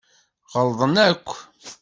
Ɣelḍen akk.